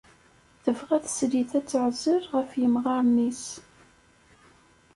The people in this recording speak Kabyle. Tebɣa teslit ad teεzel ɣef yemɣaren-is.